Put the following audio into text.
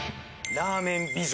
ラーメン美女。